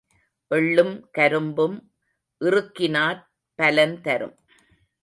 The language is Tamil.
எள்ளும் கரும்பும் இறுக்கினாற் பலன் தரும்.